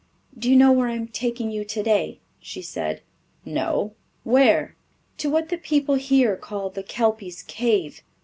"Do you know where I am taking you today?" she said. "No where?" "To what the people here call the Kelpy's Cave.